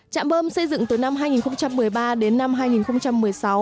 trạm bơm xây dựng từ năm hai nghìn một mươi ba đến năm hai nghìn một mươi sáu